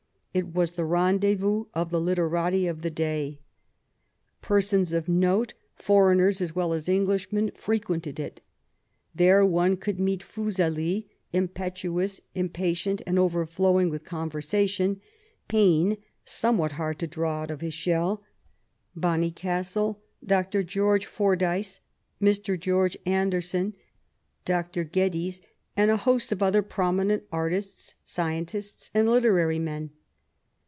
It was the rendezvous of the literati of the day. Persons 78 MAET WOLLSTOXECRAFT GODWIN. of note, foreigners as well as Englishmen, frequented it. There one could meet Fnseli, impetuous, impatient, and orerflowing with couTersation; Paine, somewhat hard to draw out of his shell; Bonnycastle, Dr. Greoi^e Fordyce, Mr. George Anderson, Dr. Oeddes, and a host of other prominent artists, scientists, and literary men.